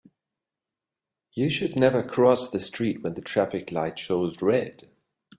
You should never cross the street when the traffic light shows red.